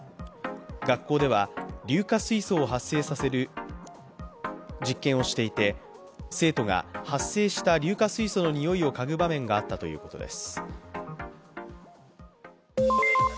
学校では硫化水素を発生される実験をしていて、生徒が発生した硫化水素のにおいをかぐ場面があったということです。